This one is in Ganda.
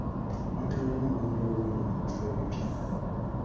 Abantu abamu balondebwa bulondebwa mu bifo ebipya.